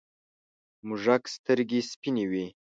موږک سترگې سپینې وې.